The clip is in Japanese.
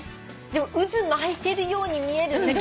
でも渦巻いてるように見える。